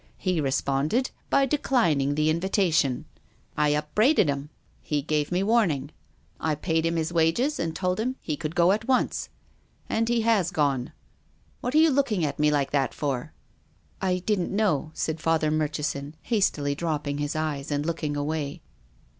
He re sponded by declining the invitation. I upbraided 326 TONGUES OF CONSCIENCE. him. He gave me warning. I paid him his wage, and told him he could go at once. And he has gone. What arc you looking at me like that for?" " I didn't know," said Father Murchison, hastily dropping his eyes, and looking away.